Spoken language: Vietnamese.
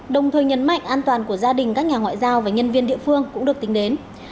đồng thời nhấn mạnh an toàn của gia đình các nhà ngoại giao và nhân viên địa phương cũng được tính đến